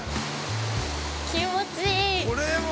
気持ちいい。